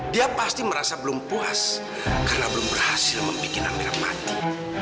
dia pasti merasa belum puas karena belum berhasil membuat amerika mati